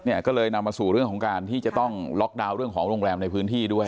เนี่ยก็เลยนำมาสู่เรื่องของการที่จะต้องล็อกดาวน์เรื่องของโรงแรมในพื้นที่ด้วย